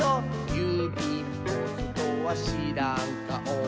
「ゆうびんポストはしらんかお」